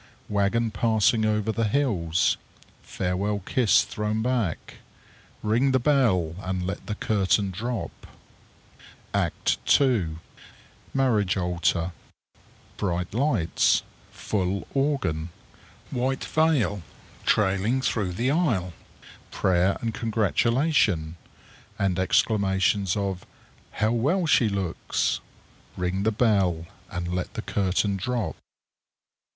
Wagon passing over the hills. Farewell kiss thrown back. Ring the bell and let the curtain drop_. ACT II. _Marriage altar. Bright lights. Full organ. White veil trailing through the aisle. Prayer and congratulation, and exclamations of "How well she looks!" Ring the bell, and let the curtain drop_.